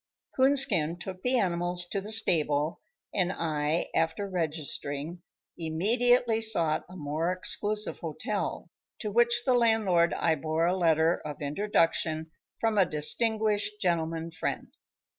Coonskin took the animals to the stable, and I, after registering, immediately sought a more exclusive hotel, to whose landlord I bore a letter of introduction from a distinguished gentleman friend.